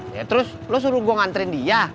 ya terus lo suruh gue nganterin dia